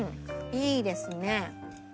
いいですね。